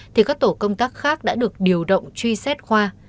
thì các tổ công tác khác đã được điều động truy xét khoa